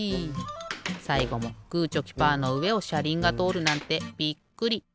さいごもグーチョキパーのうえをしゃりんがとおるなんてびっくり。